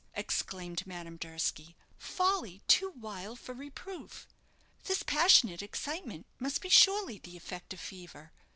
exclaimed Madame Durski; "folly too wild for reproof. This passionate excitement must be surely the effect of fever.